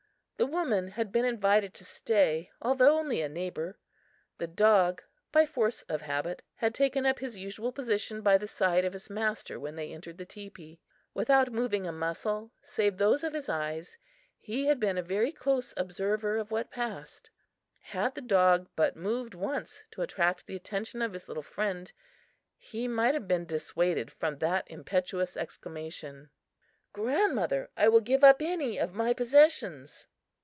The woman had been invited to stay, although only a neighbor. The dog, by force of habit, had taken up his usual position by the side of his master when they entered the teepee. Without moving a muscle, save those of his eyes, he had been a very close observer of what passed. Had the dog but moved once to attract the attention of his little friend, he might have been dissuaded from that impetuous exclamation: "Grandmother, I will give up any of my possessions!"